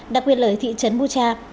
đặc biệt lời thị trấn bucha